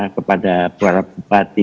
kepada para bupati